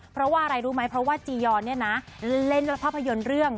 เพราะว่าจียอนเล่นภาพยนตร์เรื่อง